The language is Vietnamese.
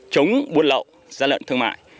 chống buôn lậu gia lận thương mại